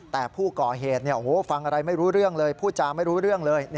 แต่ผู้ก่อเหตุฟังอะไรไม่รู้เรื่องเลยพูดจาไม่รู้เรื่องเลย